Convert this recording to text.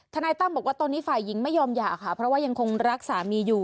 นายตั้มบอกว่าตอนนี้ฝ่ายหญิงไม่ยอมหย่าค่ะเพราะว่ายังคงรักสามีอยู่